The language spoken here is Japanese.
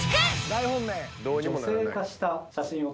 大本命。